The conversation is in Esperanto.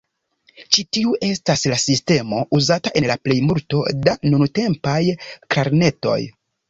Ĉi tiu estas la sistemo uzata en la plejmulto da nuntempaj klarnetoj.